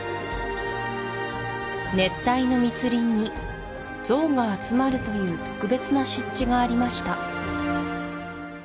熱帯の密林にゾウが集まるという特別な湿地がありました